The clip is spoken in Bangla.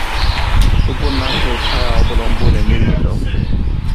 উপন্যাসের ছায়া অবলম্বনে নির্মিত।